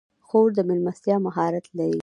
خور د میلمستیا مهارت لري.